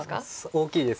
大きいです。